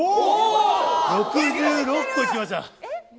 ６６個いきました。